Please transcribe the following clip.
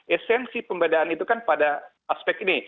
esensi pembedaan itu kan pada aspek ini